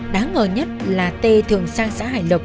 đáng ngờ nhất là t thường sang xã hải lộc